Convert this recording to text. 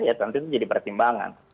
ya tentu itu jadi pertimbangan